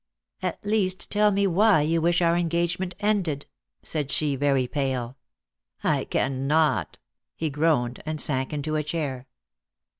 "At least tell me why you wish our engagement ended," said she, very pale. "I cannot," he groaned, and sank into a chair.